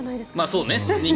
そうね。